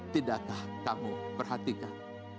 tidakkah kamu perhatikan